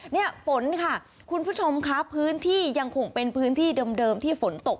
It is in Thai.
นี่ฝนค่ะคุณผู้ชมค่ะพื้นที่ยังคงเป็นพื้นที่เดิมที่ฝนตก